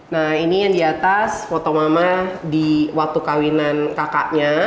nah ini yang di atas foto mama di waktu kawinan kakaknya